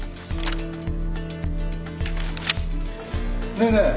ねえねえ。